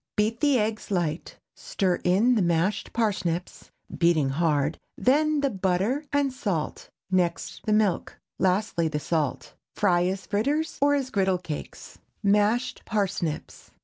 Beat the eggs light, stir in the mashed parsnips, beating hard; then the butter and salt, next the milk, lastly the salt. Fry as fritters, or as griddle cakes. MASHED PARSNIPS.